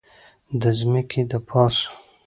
د ځمکې دپاسه